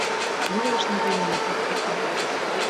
Илыш нигунамат ок пыте...